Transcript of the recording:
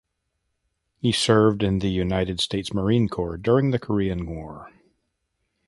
He served in the United States Marine Corps during the Korean War.